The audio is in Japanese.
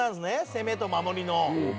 攻めと守りの。